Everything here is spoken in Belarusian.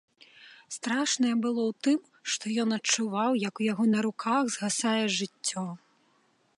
Страшнае было ў тым, што ён адчуваў, як у яго на руках згасае жыццё.